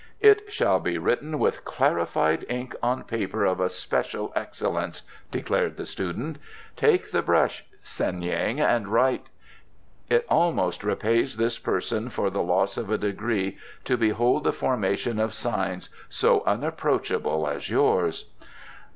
"It shall be written with clarified ink on paper of a special excellence," declared the student. "Take the brush, Seng yin, and write. It almost repays this person for the loss of a degree to behold the formation of signs so unapproachable as yours."